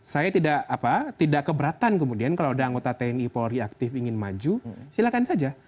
saya tidak keberatan kemudian kalau ada anggota tni polri aktif ingin maju silakan saja